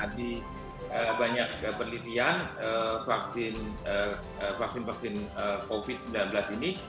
di banyak penelitian vaksin vaksin covid sembilan belas ini